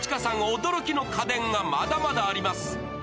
驚きの家電がまだまだあります。